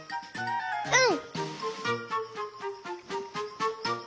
うん！